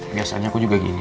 biasanya aku juga gini